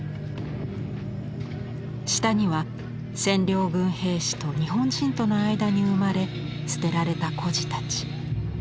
下には占領軍兵士と日本人との間に生まれ捨てられた孤児たち。